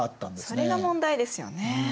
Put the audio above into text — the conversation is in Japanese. それが問題ですよね。